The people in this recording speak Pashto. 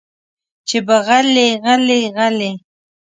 چې به غلې غلې غلې